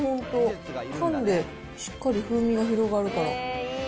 かんでしっかり風味が広がるから。